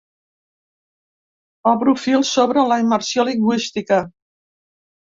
Obro fil sobre la immersió lingüística.